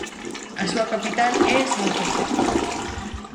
A súa capital é San José.